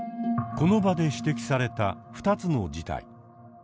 この場で指摘された２つの事態。